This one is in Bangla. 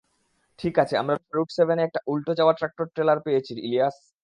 ঠিক আছে, আমরা রুট সেভেনে একটা উল্টে যাওয়া ট্রাক্টর ট্রেলার পেয়েছি ইলিয়াস।